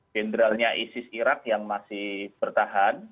jenderalnya isis irak yang masih bertahan